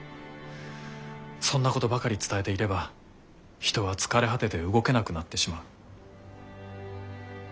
そんなことばかり伝えていれば人は疲れ果てて動けなくなってしまう。